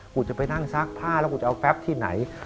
กูจะไปนั่งซักผ้าแล้วกูจะเอาแป๊บที่ไหน